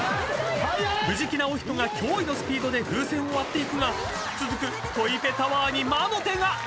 ［藤木直人が驚異のスピードで風船を割っていくが続くトイペタワーに魔の手が］